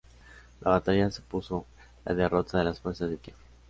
La batalla supuso la derrota de las fuerzas de Kiev.